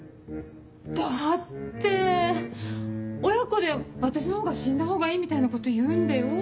だって親子で私のほうが死んだほうがいいみたいなこと言うんだよ。